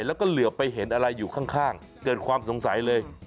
แล้วก็เหลือไปเห็นอะไรอยู่ข้างเกิดความสงสัยเลย